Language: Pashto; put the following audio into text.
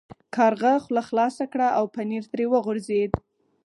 کارغه خوله خلاصه کړه او پنیر ترې وغورځید.